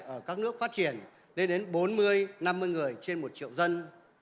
ở các nước phát triển lên đến bốn mươi năm mươi người trên một triệu dân